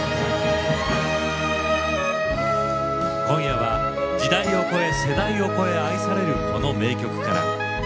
今夜は時代を超え世代を超え愛されるこの名曲から。